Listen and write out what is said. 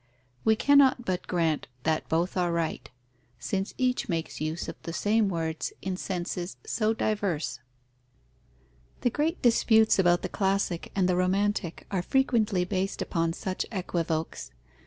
We cannot but grant that both are right, since each makes use of the same words in senses so diverse. The great disputes about the classic and the romantic are frequently based upon such equivokes.